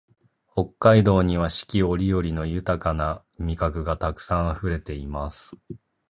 北海道には四季折々の豊な味覚がたくさんあふれています